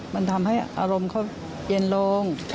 มันทำให้อารมณ์เขาเย็นลง